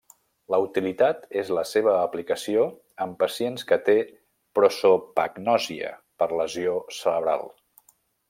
La utilitat és la seva aplicació en pacients que té prosopagnòsia per lesió cerebral.